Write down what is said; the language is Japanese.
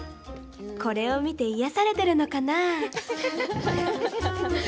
これを見ていやされてるのかな？